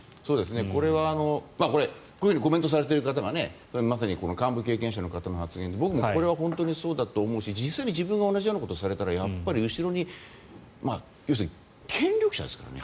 これはこういうふうにコメントされている方が幹部経験者の方の発言で僕もこれは本当にそうだと思うし実際に自分が同じようなことをされたらやっぱり後ろに要するに権力者ですからね。